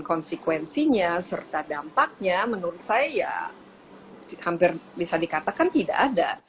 dan konsekuensinya serta dampaknya menurut saya ya hampir bisa dikatakan tidak ada